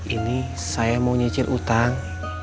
ini saya mau nyicir utang